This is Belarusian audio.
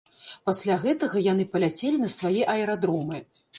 Пасля гэтага яны паляцелі на свае аэрадромы.